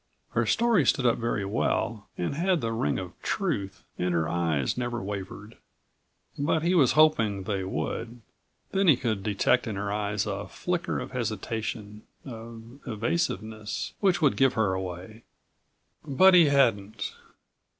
Her story stood up very well and had the ring of truth and her eyes never wavered. But he was hoping they would, then he could detect in her eyes a flicker of hesitation, of evasiveness, which would give her away. But he hadn't.